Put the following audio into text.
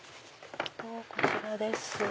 こちらです。